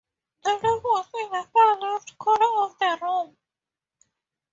The lamp was in the far left corner of the room